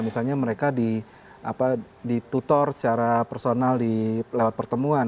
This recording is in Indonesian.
misalnya mereka ditutor secara personal lewat pertemuan